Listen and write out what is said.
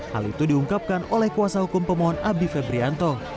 hal itu diungkapkan oleh kuasa hukum pemohon abdi febrianto